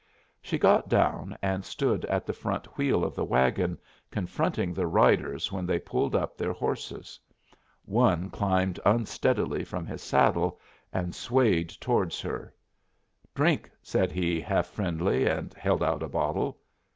She got down and stood at the front wheel of the wagon, confronting the riders when they pulled up their horses. One climbed unsteadily from his saddle and swayed towards her. "Drink!" said he, half friendly, and held out a bottle.